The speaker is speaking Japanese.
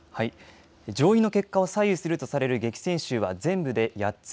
上院の結果を左右するとされる激戦州は全部で８つ。